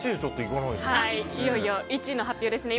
いよいよ１位の発表ですね